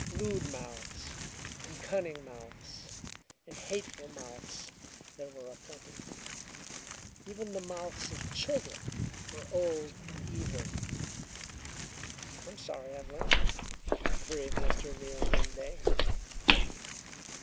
Lewd mouths, and cunning mouths, and hateful mouths there were aplenty. Even the mouths of children were old in evil. "I'm sorry I've learned it," breathed Mr. Neal one day.